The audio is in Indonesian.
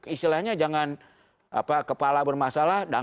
istilahnya jangan kepala bermasalah